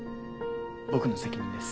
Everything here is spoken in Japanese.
僕の責任です。